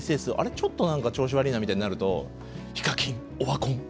ちょっと調子悪いな」みたいになると「ＨＩＫＡＫＩＮオワコン」。